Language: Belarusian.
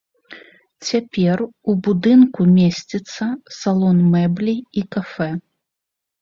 Цяпер у будынку месціцца салон мэблі і кафэ.